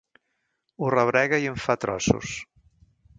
Ho rebrega i en fa trossos.